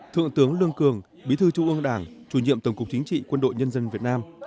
thượng tướng lương cường bí thư trung ương đảng chủ nhiệm tổng cục chính trị quân đội nhân dân việt nam